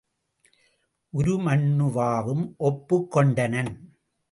உருமண்ணுவாவும் ஒப்புக் கொண்டனன்.